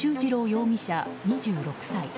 容疑者、２６歳。